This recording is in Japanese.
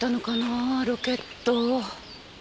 あロケット。